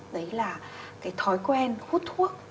đó là cái thói quen hút thuốc